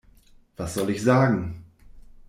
Was soll ich sagen?